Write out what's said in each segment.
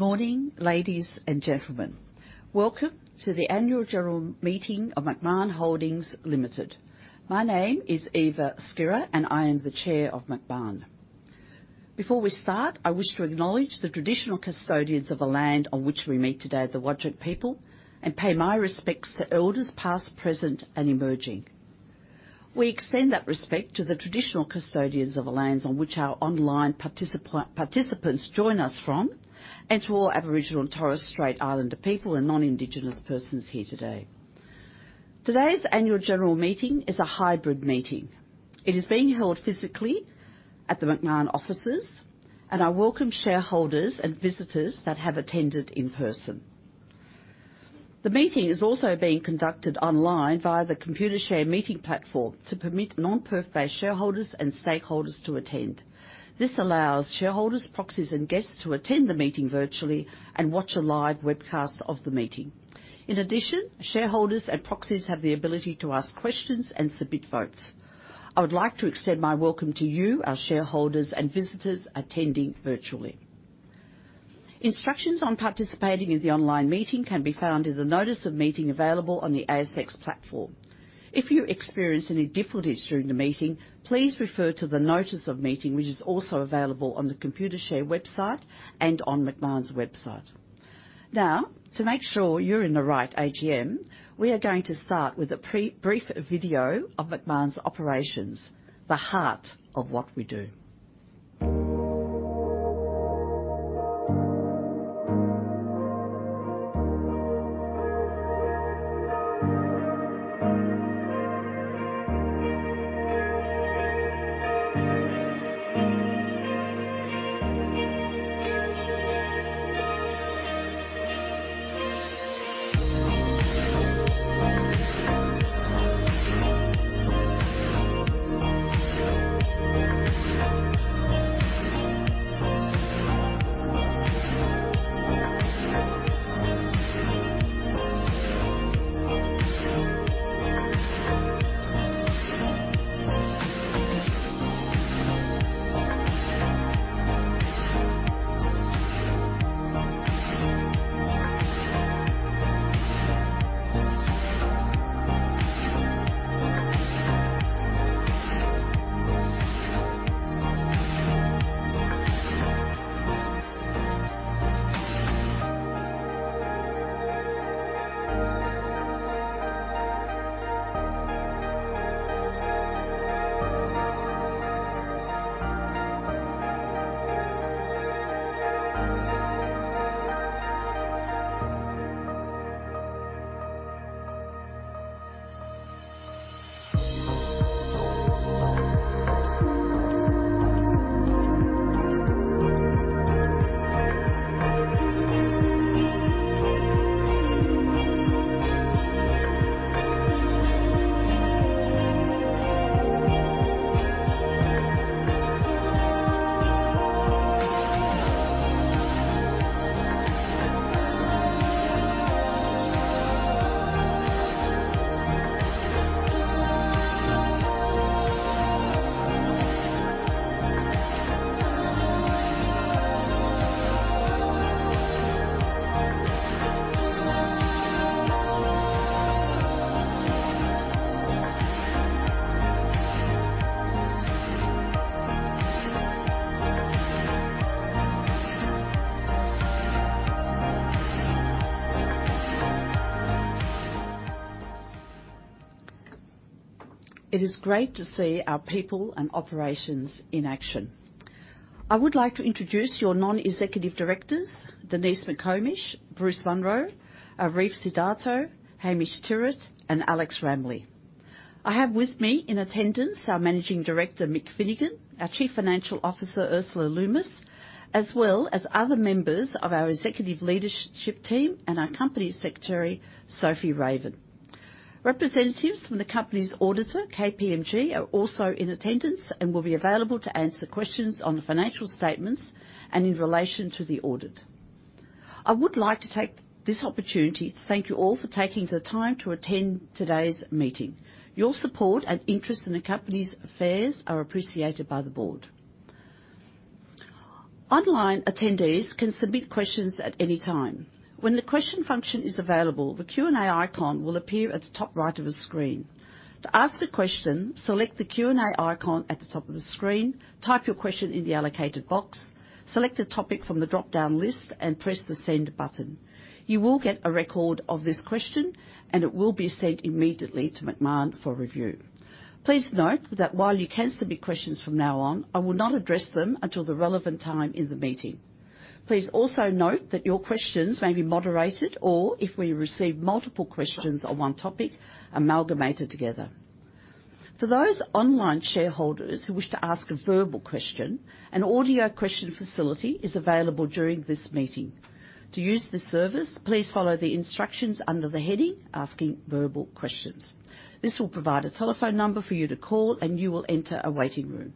Good morning, ladies and gentlemen. Welcome to the annual general meeting of Macmahon Holdings Limited. My name is Eva Skira, and I am the Chair of Macmahon. Before we start, I wish to acknowledge the traditional custodians of the land on which we meet today, the Whadjuk people, and pay my respects to elders past, present, and emerging. We extend that respect to the traditional custodians of the lands on which our online participants join us from, and to all Aboriginal and Torres Strait Islander people and non-Indigenous persons here today. Today's annual general meeting is a hybrid meeting. It is being held physically at the Macmahon offices, and I welcome shareholders and visitors that have attended in person. The meeting is also being conducted online via the Computershare meeting platform to permit non-person-based shareholders and stakeholders to attend. This allows shareholders, proxies, and guests to attend the meeting virtually and watch a live webcast of the meeting. In addition, shareholders and proxies have the ability to ask questions and submit votes. I would like to extend my welcome to you, our shareholders and visitors attending virtually. Instructions on participating in the online meeting can be found in the notice of meeting available on the ASX platform. If you experience any difficulties during the meeting, please refer to the notice of meeting, which is also available on the Computershare website and on Macmahon's website. Now, to make sure you're in the right AGM, we are going to start with a pre-brief video of Macmahon's operations, the heart of what we do. It is great to see our people and operations in action. I would like to introduce your Non-Executive Directors, Denise McComish, Bruce Munro, Arief Widyawan Sidarto, Hamish Tyrwhitt, and Alexander Ramlie. I have with me in attendance our Managing Director, Mick Finnegan, our Chief Financial Officer, Ursula Lummis, as well as other members of our executive leadership team and our Company Secretary, Sophie Raven. Representatives from the company's auditor, KPMG, are also in attendance and will be available to answer questions on the financial statements and in relation to the audit. I would like to take this opportunity to thank you all for taking the time to attend today's meeting. Your support and interest in the company's affairs are appreciated by the board. Online attendees can submit questions at any time. When the question function is available, the Q&A icon will appear at the top right of the screen. To ask a question, select the Q&A icon at the top of the screen, type your question in the allocated box, select a topic from the dropdown list, and press the Send button. You will get a record of this question, and it will be sent immediately to Macmahon for review. Please note that while you can submit questions from now on, I will not address them until the relevant time in the meeting. Please also note that your questions may be moderated or, if we receive multiple questions on one topic, amalgamated together. For those online shareholders who wish to ask a verbal question, an audio question facility is available during this meeting. To use this service, please follow the instructions under the heading Asking Verbal Questions. This will provide a telephone number for you to call, and you will enter a waiting room.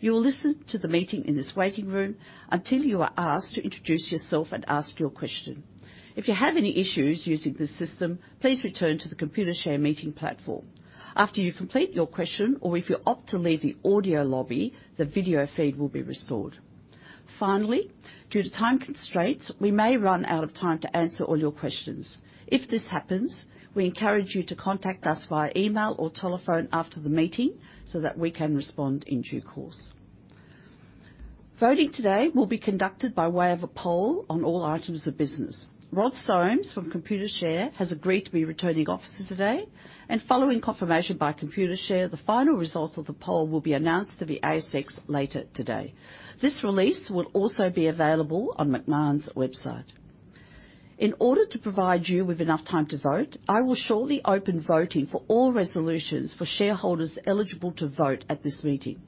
You will listen to the meeting in this waiting room until you are asked to introduce yourself and ask your question. If you have any issues using this system, please return to the Computershare meeting platform. After you complete your question, or if you opt to leave the audio lobby, the video feed will be restored. Finally, due to time constraints, we may run out of time to answer all your questions. If this happens, we encourage you to contact us via email or telephone after the meeting so that we can respond in due course. Voting today will be conducted by way of a poll on all items of business. Rod Soames from Computershare has agreed to be Returning Officer today. Following confirmation by Computershare, the final results of the poll will be announced to the ASX later today. This release will also be available on Macmahon’s website. In order to provide you with enough time to vote, I will shortly open voting for all resolutions for shareholders eligible to vote at this meeting.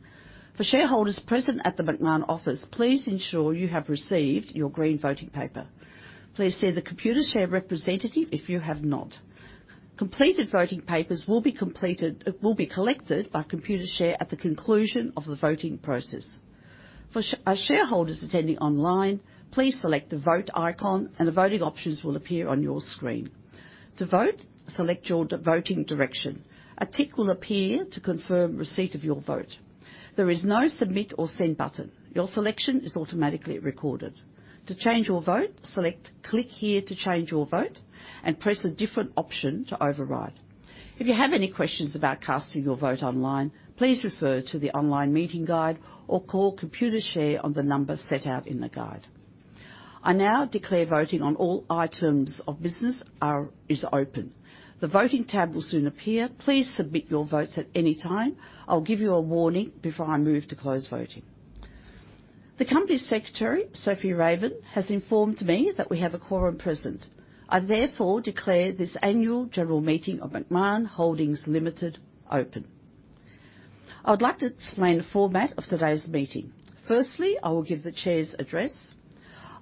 For shareholders present at the Macmahon office, please ensure you have received your green voting paper. Please see the Computershare representative if you have not. Completed voting papers will be collected by Computershare at the conclusion of the voting process. For shareholders attending online, please select the Vote icon and the voting options will appear on your screen. To vote, select your voting direction. A tick will appear to confirm receipt of your vote. There is no Submit or Send button. Your selection is automatically recorded. To change your vote, select Click Here to Change Your Vote and press a different option to override. If you have any questions about casting your vote online, please refer to the online meeting guide or call Computershare on the number set out in the guide. I now declare voting on all items of business is open. The Voting tab will soon appear. Please submit your votes at any time. I'll give you a warning before I move to close voting. The company secretary, Sophie Raven, has informed me that we have a quorum present. I therefore declare this annual general meeting of Macmahon Holdings Limited open. I would like to explain the format of today's meeting. Firstly, I will give the Chair's Address.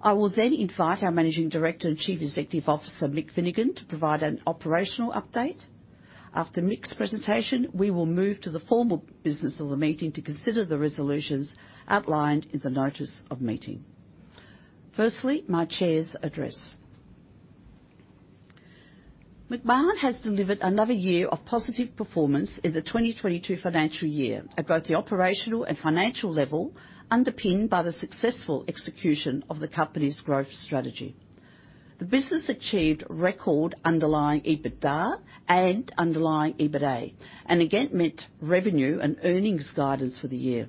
I will then invite our Managing Director and Chief Executive Officer, Mick Finnegan, to provide an operational update. After Mick's presentation, we will move to the formal business of the meeting to consider the resolutions outlined in the notice of meeting. Firstly, my Chair's Address. Macmahon has delivered another year of positive performance in the 2022 financial year at both the operational and financial level, underpinned by the successful execution of the company's growth strategy. The business achieved record underlying EBITDA and underlying EBITA, and again met revenue and earnings guidance for the year.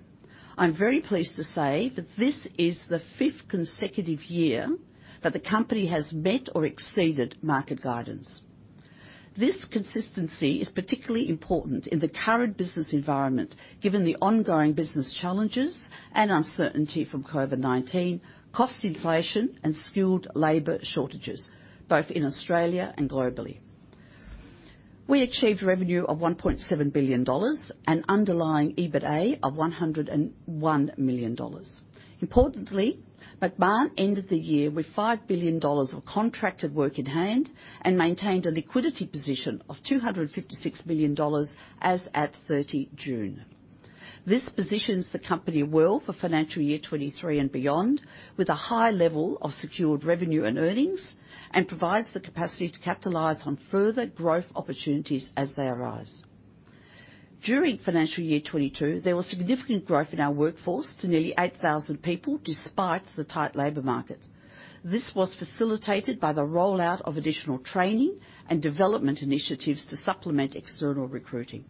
I'm very pleased to say that this is the fifth consecutive year that the company has met or exceeded market guidance. This consistency is particularly important in the current business environment, given the ongoing business challenges and uncertainty from COVID-19, cost inflation, and skilled labor shortages, both in Australia and globally. We achieved revenue of 1.7 billion dollars and underlying EBITA of 101 million dollars. Importantly, Macmahon ended the year with 5 billion dollars of contracted work in hand and maintained a liquidity position of 256 million dollars as at 30 June. This positions the company well for financial year 2023 and beyond, with a high level of secured revenue and earnings, and provides the capacity to capitalize on further growth opportunities as they arise. During financial year 2022, there was significant growth in our workforce to nearly 8,000 people, despite the tight labor market. This was facilitated by the rollout of additional training and development initiatives to supplement external recruiting.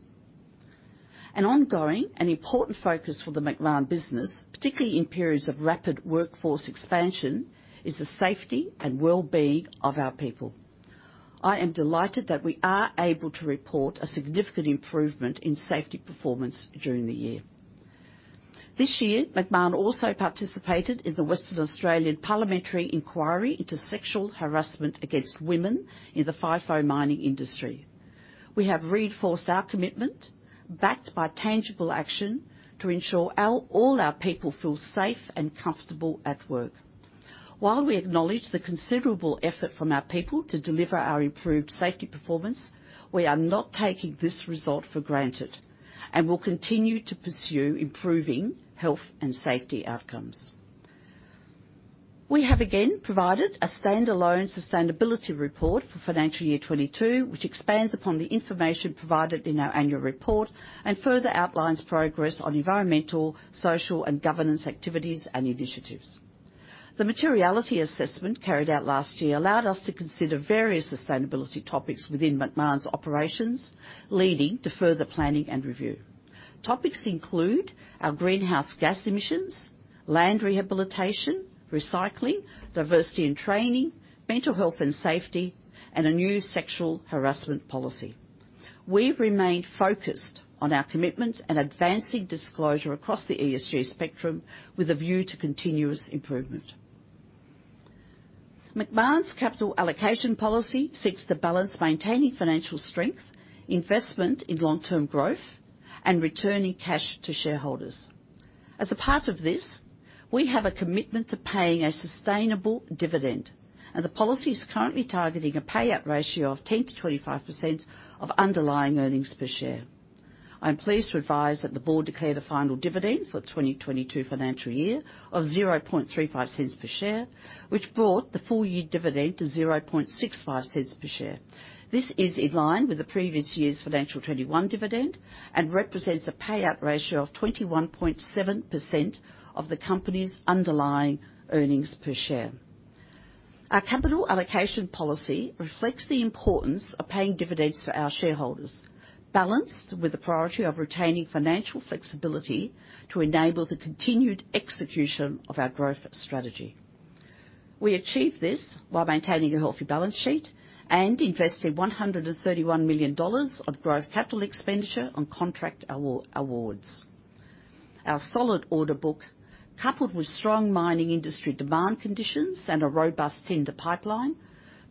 An ongoing and important focus for the Macmahon business, particularly in periods of rapid workforce expansion, is the safety and wellbeing of our people. I am delighted that we are able to report a significant improvement in safety performance during the year. This year, Macmahon also participated in the Western Australian Parliamentary inquiry into sexual harassment against women in the FIFO mining industry. We have reinforced our commitment, backed by tangible action, to ensure all our people feel safe and comfortable at work. While we acknowledge the considerable effort from our people to deliver our improved safety performance, we are not taking this result for granted and will continue to pursue improving health and safety outcomes. We have again provided a standalone sustainability report for financial year 2022, which expands upon the information provided in our annual report and further outlines progress on environmental, social, and governance activities and initiatives. The materiality assessment carried out last year allowed us to consider various sustainability topics within Macmahon's operations, leading to further planning and review. Topics include our greenhouse gas emissions, land rehabilitation, recycling, diversity and training, mental health and safety, and a new sexual harassment policy. We remain focused on our commitment and advancing disclosure across the ESG spectrum with a view to continuous improvement. Macmahon's capital allocation policy seeks to balance maintaining financial strength, investment in long-term growth, and returning cash to shareholders. As a part of this, we have a commitment to paying a sustainable dividend, and the policy is currently targeting a payout ratio of 10%-25% of underlying earnings per share. I am pleased to advise that the Board declare the final dividend for the 2022 financial year of 0.0035 per share, which brought the full-year dividend to 0.0065 per share. This is in line with the previous year's FY 2021 dividend and represents a payout ratio of 21.7% of the company's underlying earnings per share. Our capital allocation policy reflects the importance of paying dividends to our shareholders, balanced with the priority of retaining financial flexibility to enable the continued execution of our growth strategy. We achieve this while maintaining a healthy balance sheet and investing 131 million dollars on growth capital expenditure on contract awards. Our solid order book, coupled with strong mining industry demand conditions and a robust tender pipeline,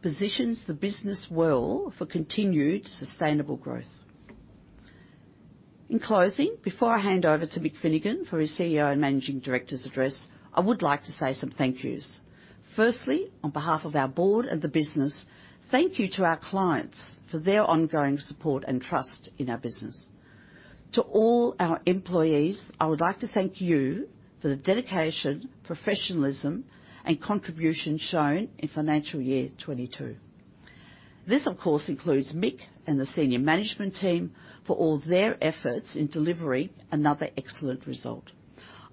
positions the business well for continued sustainable growth. In closing, before I hand over to Mick Finnegan for his CEO and Managing Director's address, I would like to say some thank yous. Firstly, on behalf of our board and the business, thank you to our clients for their ongoing support and trust in our business. To all our employees, I would like to thank you for the dedication, professionalism, and contribution shown in financial year 2022. This, of course, includes Mick and the senior management team for all their efforts in delivering another excellent result.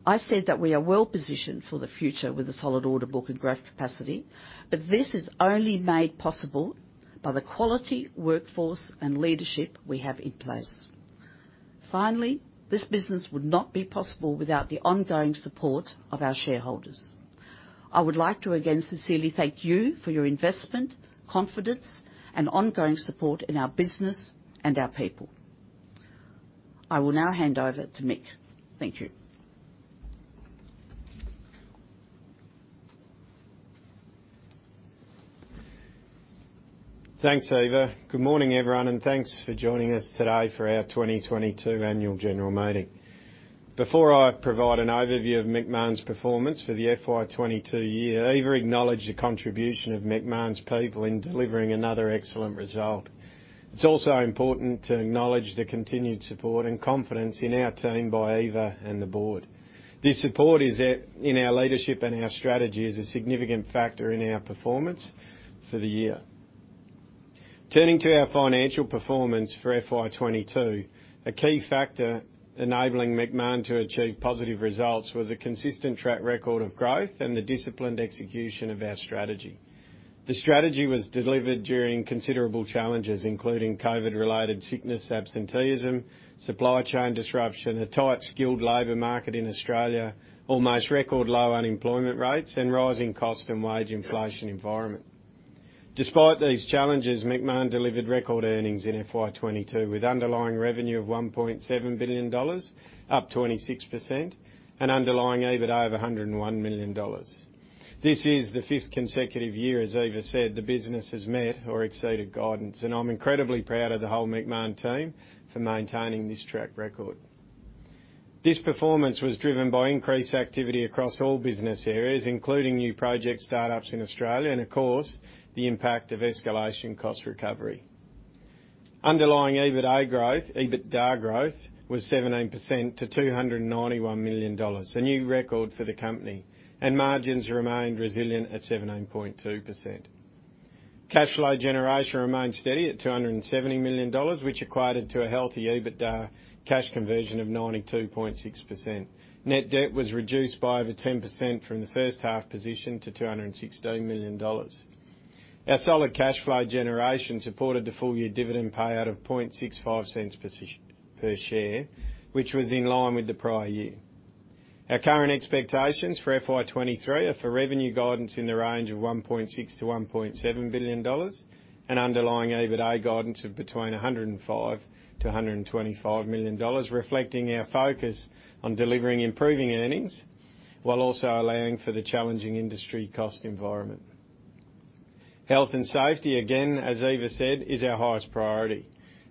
I said that we are well-positioned for the future with a solid order book and growth capacity, but this is only made possible by the quality workforce and leadership we have in place. Finally, this business would not be possible without the ongoing support of our shareholders. I would like to again sincerely thank you for your investment, confidence, and ongoing support in our business and our people. I will now hand over to Mick. Thank you. Thanks, Eva. Good morning, everyone, and thanks for joining us today for our 2022 annual general meeting. Before I provide an overview of Macmahon's performance for the FY 2022 year, Eva acknowledged the contribution of Macmahon's people in delivering another excellent result. It's also important to acknowledge the continued support and confidence in our team by Eva and the board. This support is at the heart of our leadership and our strategy is a significant factor in our performance for the year. Turning to our financial performance for FY 2022, a key factor enabling Macmahon to achieve positive results was a consistent track record of growth and the disciplined execution of our strategy. The strategy was delivered during considerable challenges, including COVID-related sickness, absenteeism, supply chain disruption, a tight skilled labor market in Australia, almost record low unemployment rates, and rising cost and wage inflationary environment. Despite these challenges, Macmahon delivered record earnings in FY 2022, with underlying revenue of 1.7 billion dollars, up 26%, and underlying EBITDA of 101 million dollars. This is the fifth consecutive year, as Eva said, the business has met or exceeded guidance, and I'm incredibly proud of the whole Macmahon team for maintaining this track record. This performance was driven by increased activity across all business areas, including new project startups in Australia and of course, the impact of escalation cost recovery. Underlying EBITDA growth was 17% to 291 million dollars, a new record for the company, and margins remained resilient at 17.2%. Cash flow generation remained steady at 270 million dollars, which equated to a healthy EBITDA cash conversion of 92.6%. Net debt was reduced by over 10% from the first half position to 216 million dollars. Our solid cash flow generation supported the full-year dividend payout of 6.5 cents per share, which was in line with the prior year. Our current expectations for FY 2023 are for revenue guidance in the range of 1.6 billion-1.7 billion dollars and underlying EBITDA guidance of between 105 million-125 million dollars, reflecting our focus on delivering improving earnings while also allowing for the challenging industry cost environment. Health and safety, again, as Eva said, is our highest priority,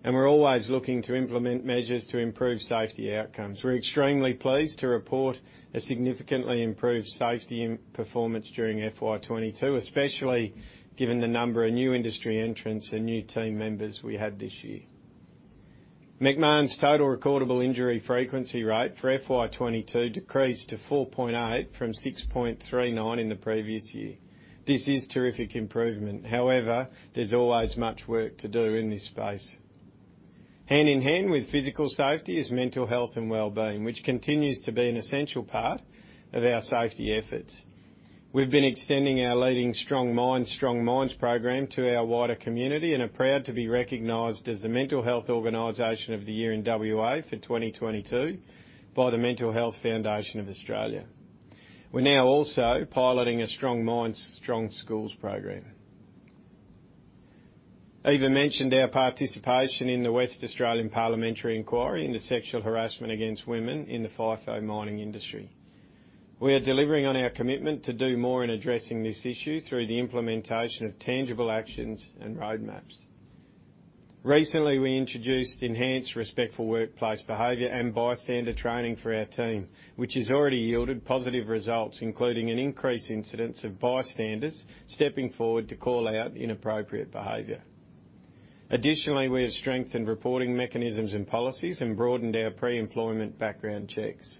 and we're always looking to implement measures to improve safety outcomes. We're extremely pleased to report a significantly improved safety performance during FY 2022, especially given the number of new industry entrants and new team members we had this year. Macmahon's total recordable injury frequency rate for FY 2022 decreased to 4.8 from 6.39 in the previous year. This is terrific improvement. However, there's always much work to do in this space. Hand in hand with physical safety is mental health and well-being, which continues to be an essential part of our safety efforts. We've been extending our leading Strong Minds Strong Mines program to our wider community and are proud to be recognized as the Mental Health Organization of the Year in WA for 2022 by Mental Health Foundation Australia. We're now also piloting a Strong Minds Strong Schools program. Eva mentioned our participation in the Western Australian Parliamentary inquiry into sexual harassment against women in the FIFO mining industry. We are delivering on our commitment to do more in addressing this issue through the implementation of tangible actions and roadmaps. Recently, we introduced enhanced respectful workplace behavior and bystander training for our team, which has already yielded positive results, including an increased incidence of bystanders stepping forward to call out inappropriate behavior. Additionally, we have strengthened reporting mechanisms and policies and broadened our pre-employment background checks.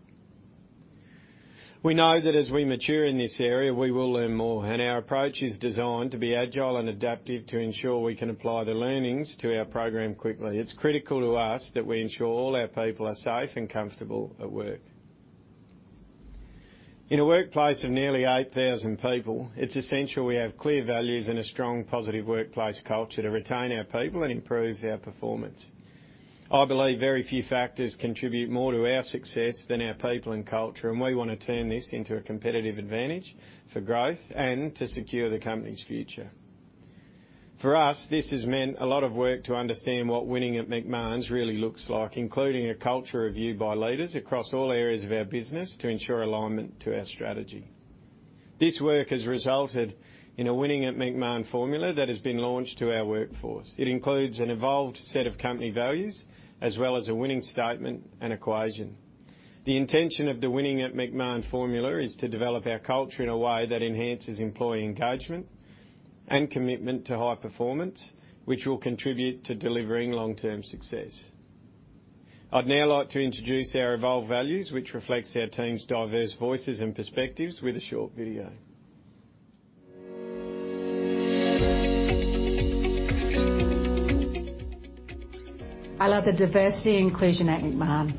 We know that as we mature in this area, we will learn more, and our approach is designed to be agile and adaptive to ensure we can apply the learnings to our program quickly. It's critical to us that we ensure all our people are safe and comfortable at work. In a workplace of nearly 8,000 people, it's essential we have clear values and a strong, positive workplace culture to retain our people and improve our performance. I believe very few factors contribute more to our success than our people and culture, and we wanna turn this into a competitive advantage for growth and to secure the company's future. For us, this has meant a lot of work to understand what winning at Macmahon's really looks like, including a culture review by leaders across all areas of our business to ensure alignment to our strategy. This work has resulted in a winning at Macmahon formula that has been launched to our workforce. It includes an evolved set of company values, as well as a winning statement and equation. The intention of the winning at Macmahon formula is to develop our culture in a way that enhances employee engagement and commitment to high performance, which will contribute to delivering long-term success. I'd now like to introduce our evolved values, which reflects our team's diverse voices and perspectives with a short video. To build a united Macmahon,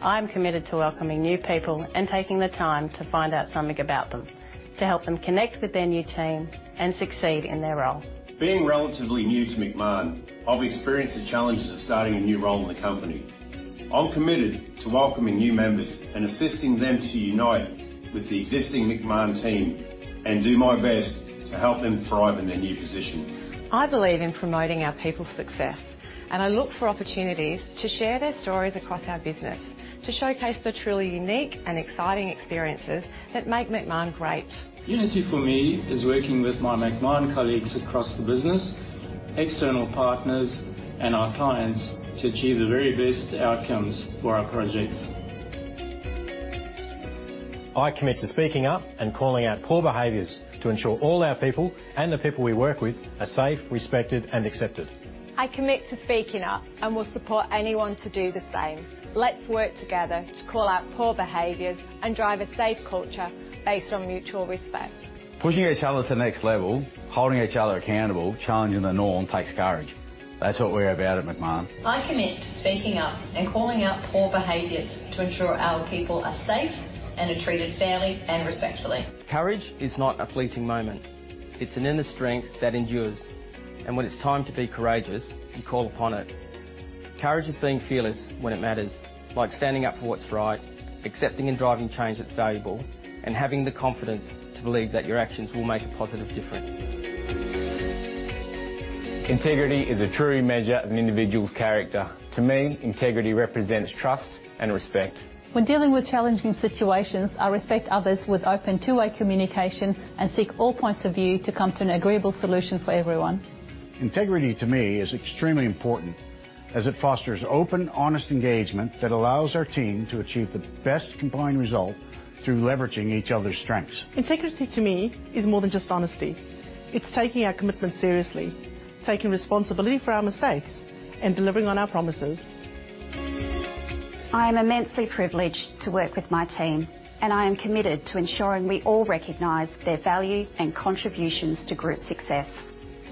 I am committed to welcoming new people and taking the time to find out something about them, to help them connect with their new team and succeed in their role. Being relatively new to Macmahon, I've experienced the challenges of starting a new role in the company. I'm committed to welcoming new members and assisting them to unite with the existing Macmahon team and do my best to help them thrive in their new position. I believe in promoting our people's success, and I look for opportunities to share their stories across our business to showcase the truly unique and exciting experiences that make Macmahon great. Unity for me is working with my Macmahon colleagues across the business, external partners, and our clients to achieve the very best outcomes for our projects. I commit to speaking up and calling out poor behaviors to ensure all our people and the people we work with are safe, respected, and accepted. I commit to speaking up and will support anyone to do the same. Let's work together to call out poor behaviors and drive a safe culture based on mutual respect. Pushing each other to the next level, holding each other accountable, challenging the norm takes courage. That's what we're about at Macmahon. I commit to speaking up and calling out poor behaviors to ensure our people are safe and are treated fairly and respectfully. Courage is not a fleeting moment. It's an inner strength that endures. When it's time to be courageous, you call upon it. Courage is being fearless when it matters, like standing up for what's right, accepting and driving change that's valuable, and having the confidence to believe that your actions will make a positive difference. Integrity is a true measure of an individual's character. To me, integrity represents trust and respect. When dealing with challenging situations, I respect others with open two-way communication and seek all points of view to come to an agreeable solution for everyone. Integrity to me is extremely important as it fosters open, honest engagement that allows our team to achieve the best combined result through leveraging each other's strengths. Integrity to me is more than just honesty. It's taking our commitment seriously, taking responsibility for our mistakes, and delivering on our promises. I am immensely privileged to work with my team, and I am committed to ensuring we all recognize their value and contributions to group success.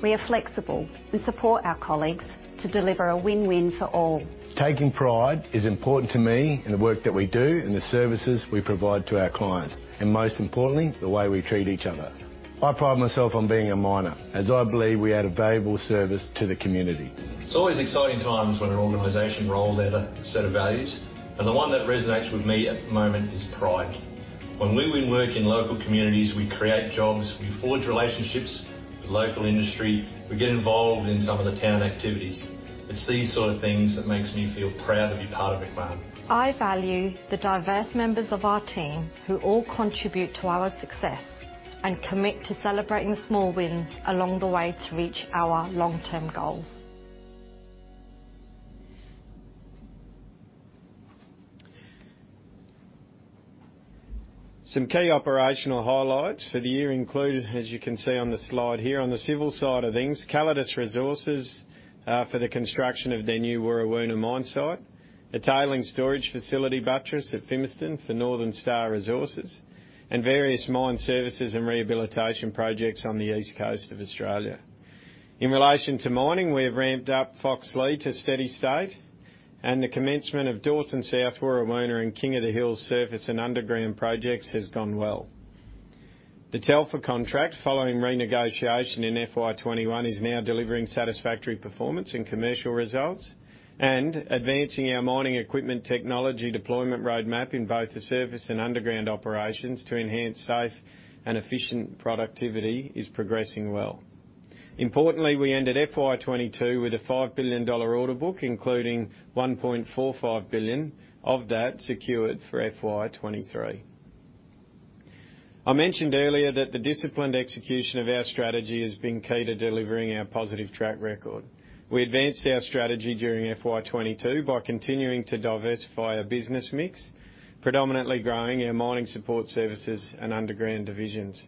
We are flexible and support our colleagues to deliver a win-win for all. Taking pride is important to me in the work that we do and the services we provide to our clients, and most importantly, the way we treat each other. I pride myself on being a miner, as I believe we add a valuable service to the community. It's always exciting times when an organization rolls out a set of values, and the one that resonates with me at the moment is pride. When we win work in local communities, we create jobs, we forge relationships with local industry, we get involved in some of the town activities. It's these sort of things that makes me feel proud to be part of Macmahon. I value the diverse members of our team who all contribute to our success and commit to celebrating the small wins along the way to reach our long-term goals. Some key operational highlights for the year include, as you can see on the slide here, on the civil side of things, Calidus Resources for the construction of their new Warrawoona mine site, the Tailings Storage Facility buttress at Fimiston for Northern Star Resources, and various mine services and rehabilitation projects on the east coast of Australia. In relation to mining, we have ramped up Foxleigh to steady state and the commencement of Dawson South Warrawoona and King of the Hills surface and underground projects has gone well. The Telfer contract following renegotiation in FY 2021 is now delivering satisfactory performance and commercial results, and advancing our mining equipment technology deployment roadmap in both the surface and underground operations to enhance safe and efficient productivity is progressing well. Importantly, we ended FY 2022 with a 5 billion dollar order book, including 1.45 billion of that secured for FY 2023. I mentioned earlier that the disciplined execution of our strategy has been key to delivering our positive track record. We advanced our strategy during FY 2022 by continuing to diversify our business mix, predominantly growing our mining support services and underground divisions.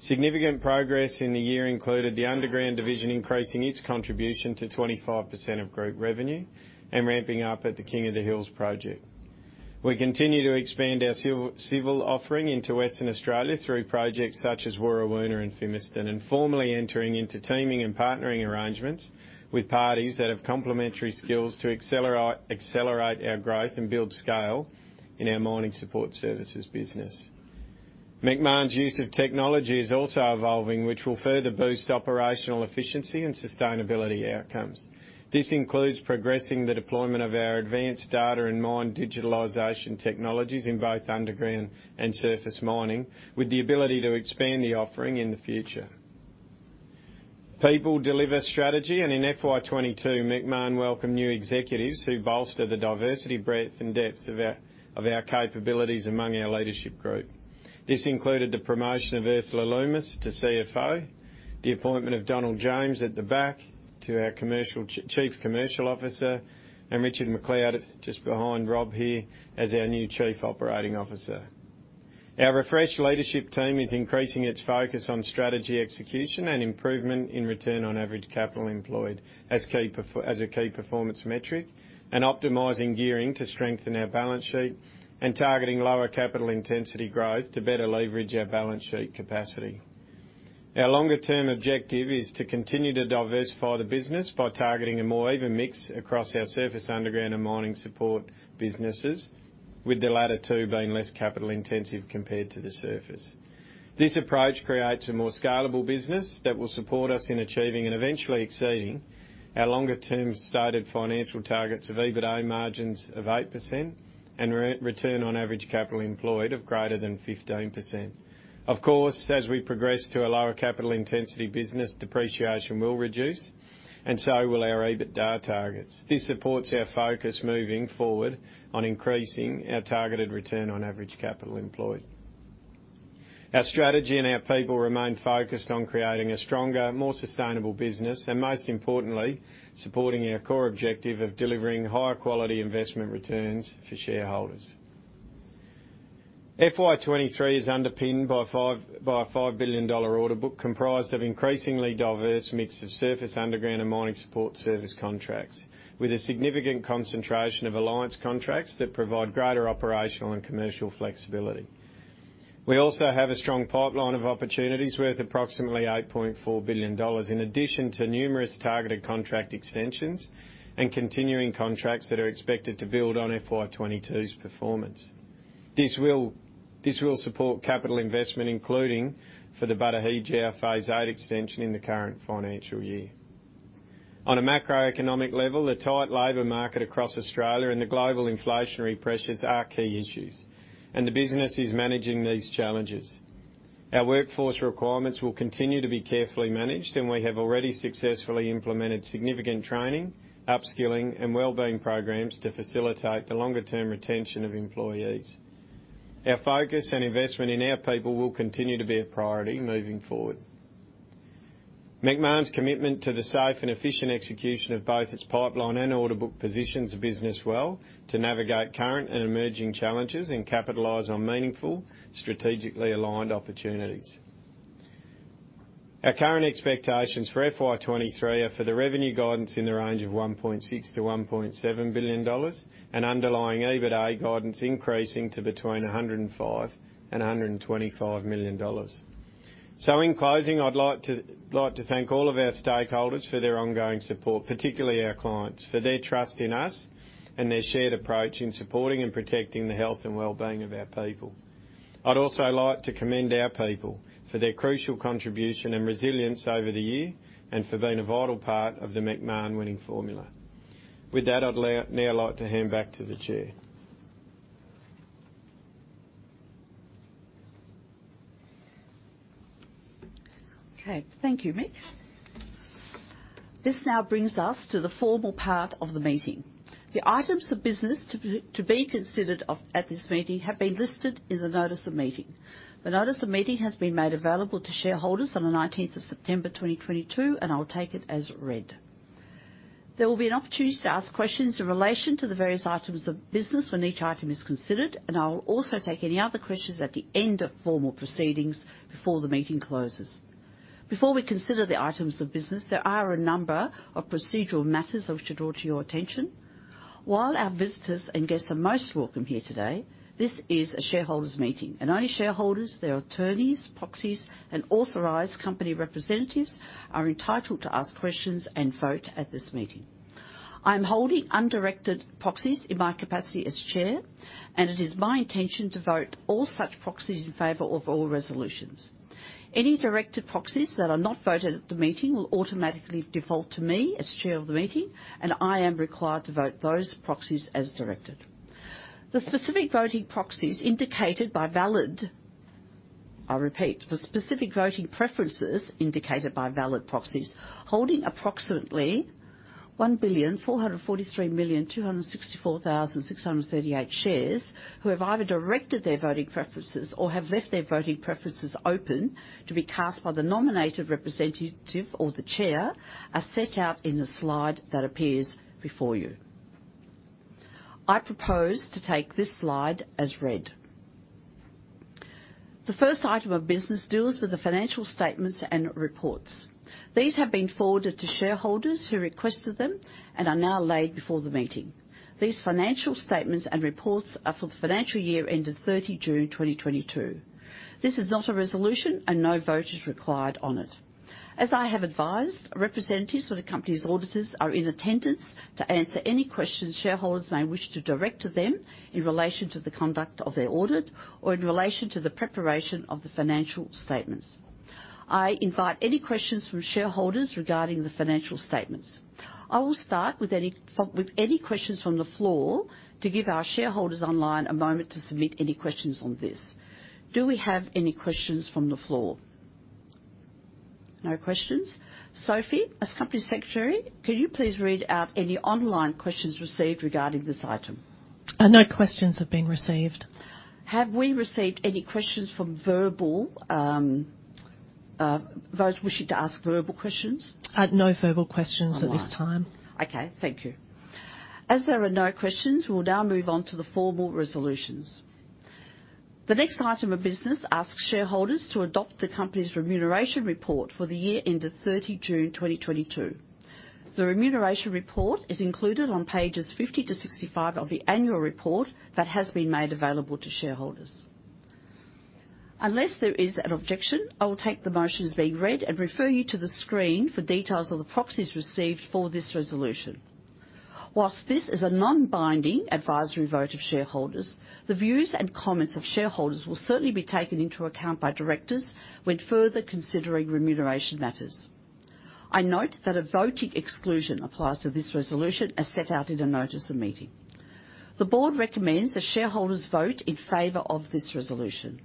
Significant progress in the year included the underground division increasing its contribution to 25% of group revenue and ramping up at the King of the Hills project. We continue to expand our civil offering into Western Australia through projects such as Warrawoona and Fimiston, and formally entering into teaming and partnering arrangements with parties that have complementary skills to accelerate our growth and build scale in our mining support services business. Macmahon's use of technology is also evolving, which will further boost operational efficiency and sustainability outcomes. This includes progressing the deployment of our advanced data and mine digitalization technologies in both underground and surface mining, with the ability to expand the offering in the future. People deliver strategy, and in FY 2022, Macmahon welcomed new executives who bolster the diversity, breadth, and depth of our capabilities among our leadership group. This included the promotion of Ursula Lummis to CFO, the appointment of Donald James at the back to our commercial. Chief Commercial Officer, and Richard McLeod, just behind Rob here, as our new Chief Operating Officer. Our refreshed leadership team is increasing its focus on strategy execution and improvement in return on average capital employed as a key performance metric, and optimizing gearing to strengthen our balance sheet and targeting lower capital intensity growth to better leverage our balance sheet capacity. Our longer-term objective is to continue to diversify the business by targeting a more even mix across our surface underground and mining support businesses, with the latter two being less capital intensive compared to the surface. This approach creates a more scalable business that will support us in achieving and eventually exceeding our longer-term stated financial targets of EBITA margins of 8% and return on average capital employed of greater than 15%. Of course, as we progress to a lower capital intensity business, depreciation will reduce and so will our EBITDA targets. This supports our focus moving forward on increasing our targeted return on average capital employed. Our strategy and our people remain focused on creating a stronger, more sustainable business and, most importantly, supporting our core objective of delivering higher quality investment returns for shareholders. FY 2023 is underpinned by a 5 billion dollar order book comprised of increasingly diverse mix of surface underground and mining support service contracts, with a significant concentration of alliance contracts that provide greater operational and commercial flexibility. We also have a strong pipeline of opportunities worth approximately 8.4 billion dollars, in addition to numerous targeted contract extensions and continuing contracts that are expected to build on FY 2022's performance. This will support capital investment, including for the Buttedge our phase VIII extension in the current financial year. On a macroeconomic level, the tight labor market across Australia and the global inflationary pressures are key issues, and the business is managing these challenges. Our workforce requirements will continue to be carefully managed, and we have already successfully implemented significant training, upskilling, and well-being programs to facilitate the longer-term retention of employees. Our focus and investment in our people will continue to be a priority moving forward. Macmahon's commitment to the safe and efficient execution of both its pipeline and order book positions the business well to navigate current and emerging challenges and capitalize on meaningful, strategically aligned opportunities. Our current expectations for FY 2023 are for the revenue guidance in the range of 1.6 billion-1.7 billion dollars and underlying EBITA guidance increasing to between 105 million and 125 million dollars. In closing, I'd like to thank all of our stakeholders for their ongoing support, particularly our clients, for their trust in us and their shared approach in supporting and protecting the health and well-being of our people. I'd also like to commend our people for their crucial contribution and resilience over the year and for being a vital part of the Macmahon winning formula. With that, I'd now like to hand back to the chair. Okay. Thank you, Mick. This now brings us to the formal part of the meeting. The items of business to be considered at this meeting have been listed in the notice of meeting. The notice of meeting has been made available to shareholders on the nineteenth of September 2022, and I'll take it as read. There will be an opportunity to ask questions in relation to the various items of business when each item is considered, and I will also take any other questions at the end of formal proceedings before the meeting closes. Before we consider the items of business, there are a number of procedural matters I wish to draw to your attention. While our visitors and guests are most welcome here today, this is a shareholders' meeting, and only shareholders, their attorneys, proxies, and authorized company representatives are entitled to ask questions and vote at this meeting. I'm holding undirected proxies in my capacity as chair, and it is my intention to vote all such proxies in favor of all resolutions. Any directed proxies that are not voted at the meeting will automatically default to me as chair of the meeting, and I am required to vote those proxies as directed. The specific voting proxies indicated by valid. I repeat, the specific voting preferences indicated by valid proxies holding approximately 1,443,264,638 shares who have either directed their voting preferences or have left their voting preferences open to be cast by the nominated representative or the chair are set out in the slide that appears before you. I propose to take this slide as read. The first item of business deals with the financial statements and reports. These have been forwarded to shareholders who requested them and are now laid before the meeting. These financial statements and reports are for the financial year ended 30 June 2022. This is not a resolution and no vote is required on it. As I have advised, representatives of the company's auditors are in attendance to answer any questions shareholders may wish to direct to them in relation to the conduct of their audit or in relation to the preparation of the financial statements. I invite any questions from shareholders regarding the financial statements. I will start with any questions from the floor to give our shareholders online a moment to submit any questions on this. Do we have any questions from the floor? No questions. Sophie, as company secretary, can you please read out any online questions received regarding this item? No questions have been received. Have we received any questions from verbal, those wishing to ask verbal questions? No verbal questions at this time. Okay. Thank you. As there are no questions, we will now move on to the formal resolutions. The next item of business asks shareholders to adopt the company's remuneration report for the year ended 30 June 2022. The remuneration report is included on pages 50-65 of the annual report that has been made available to shareholders. Unless there is an objection, I will take the motion as being read and refer you to the screen for details of the proxies received for this resolution. While this is a non-binding advisory vote of shareholders, the views and comments of shareholders will certainly be taken into account by directors when further considering remuneration matters. I note that a voting exclusion applies to this resolution, as set out in the notice of meeting. The board recommends the shareholders vote in favor of this resolution.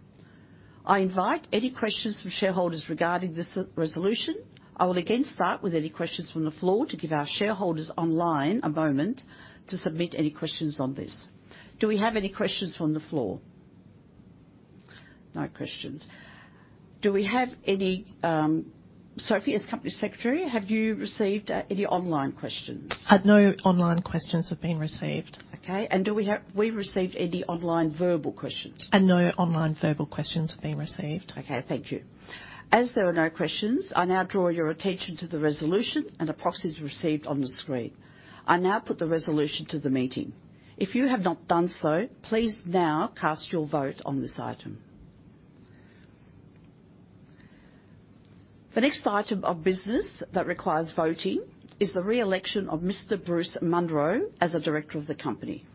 I invite any questions from shareholders regarding this re-resolution. I will again start with any questions from the floor to give our shareholders online a moment to submit any questions on this. Do we have any questions from the floor? No questions. Do we have any, Sophie, as Company Secretary, have you received any online questions? No online questions have been received. Okay. Do we receive any online verbal questions? No online verbal questions have been received. Okay. Thank you. As there are no questions, I now draw your attention to the resolution and the proxies received on the screen. I now put the resolution to the meeting. If you have not done so, please now cast your vote on this item. The next item of business that requires voting is the re-election of Mr. Bruce Munro as a director of the company.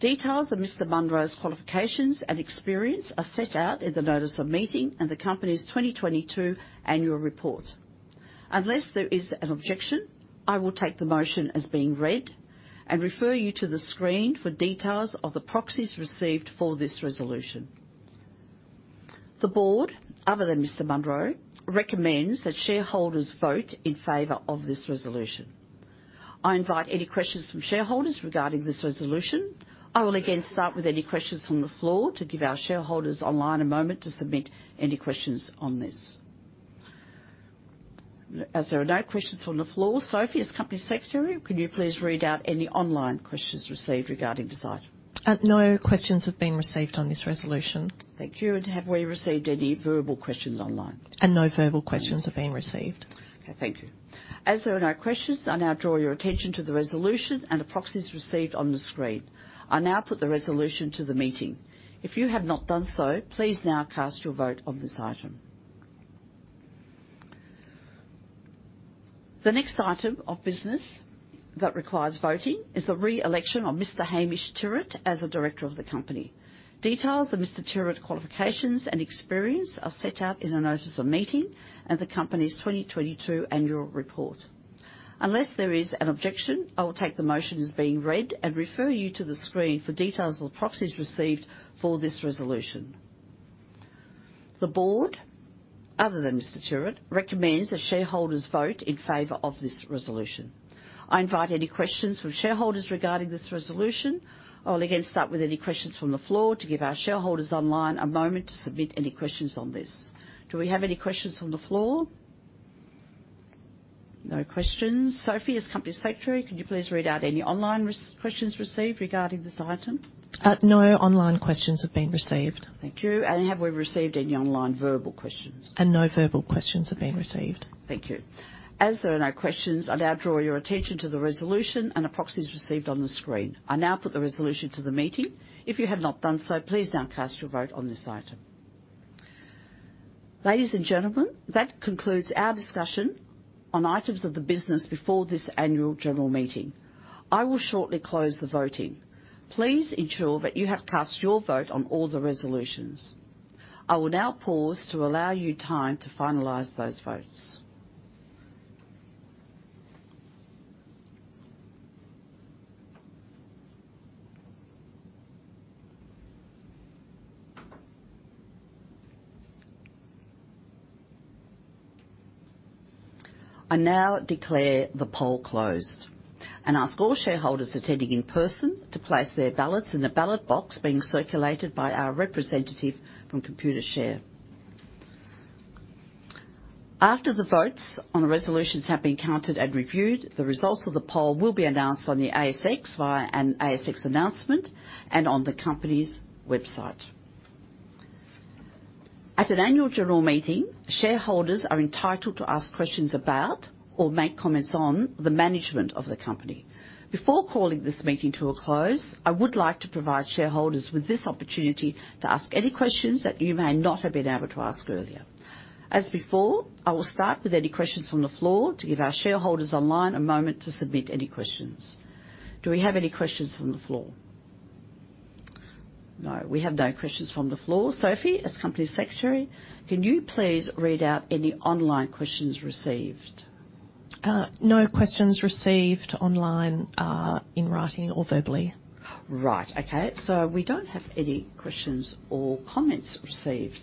Details of Mr. Munro's qualifications and experience are set out in the notice of meeting and the company's 2022 annual report. Unless there is an objection, I will take the motion as being read and refer you to the screen for details of the proxies received for this resolution. The board, other than Mr. Munro, recommends that shareholders vote in favor of this resolution. I invite any questions from shareholders regarding this resolution. I will again start with any questions from the floor to give our shareholders online a moment to submit any questions on this. As there are no questions from the floor, Sophie, as Company Secretary, could you please read out any online questions received regarding this item? No questions have been received on this resolution. Thank you. Have we received any verbal questions online? No verbal questions have been received. Okay. Thank you. As there are no questions, I now draw your attention to the resolution and the proxies received on the screen. I now put the resolution to the meeting. If you have not done so, please now cast your vote on this item. The next item of business that requires voting is the re-election of Mr. Hamish Tyrwhitt as a director of the company. Details of Mr. Tyrwhitt qualifications and experience are set out in the notice of meeting and the company's 2022 annual report. Unless there is an objection, I will take the motion as being read and refer you to the screen for details of the proxies received for this resolution. The board, other than Mr. Tyrwhitt, recommends that shareholders vote in favor of this resolution. I invite any questions from shareholders regarding this resolution. I will again start with any questions from the floor to give our shareholders online a moment to submit any questions on this. Do we have any questions from the floor? No questions. Sophie, as Company Secretary, could you please read out any online questions received regarding this item? No online questions have been received. Thank you. Have we received any online verbal questions? No verbal questions have been received. Thank you. As there are no questions, I now draw your attention to the resolution and the proxies received on the screen. I now put the resolution to the meeting. If you have not done so, please now cast your vote on this item. Ladies and gentlemen, that concludes our discussion on items of the business before this annual general meeting. I will shortly close the voting. Please ensure that you have cast your vote on all the resolutions. I will now pause to allow you time to finalize those votes. I now declare the poll closed and ask all shareholders attending in person to place their ballots in a ballot box being circulated by our representative from Computershare. After the votes on the resolutions have been counted and reviewed, the results of the poll will be announced on the ASX via an ASX announcement and on the company's website. At an annual general meeting, shareholders are entitled to ask questions about or make comments on the management of the company. Before calling this meeting to a close, I would like to provide shareholders with this opportunity to ask any questions that you may not have been able to ask earlier. As before, I will start with any questions from the floor to give our shareholders online a moment to submit any questions. Do we have any questions from the floor? No, we have no questions from the floor. Sophie, as Company Secretary, can you please read out any online questions received? No questions received online, in writing or verbally. Right. Okay. We don't have any questions or comments received.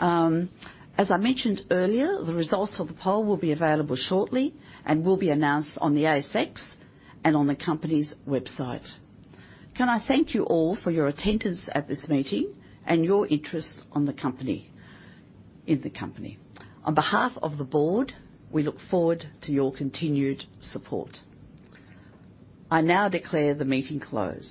As I mentioned earlier, the results of the poll will be available shortly and will be announced on the ASX and on the company's website. Can I thank you all for your attendance at this meeting and your interest in the company. On behalf of the board, we look forward to your continued support. I now declare the meeting closed.